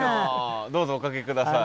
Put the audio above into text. どうぞおかけ下さい。